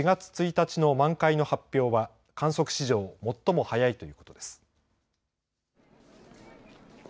町によりますと４月１日の満開の発表は観測史上最も早いということです。